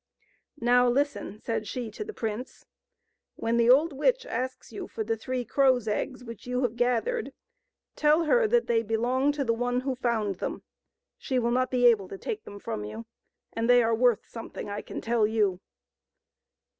" Now, listen," said she to the prince :" when the old witch asks you for the three crow's eggs which you have gathered, tell her that they belong to the one who found them. She will not be able to take them from you, and they are worth something, I can tell you."